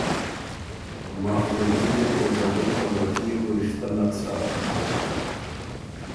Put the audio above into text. ماخ بره کي يېن او ته ډُم ته بره کي يې بو رِشتۀ نک سۀ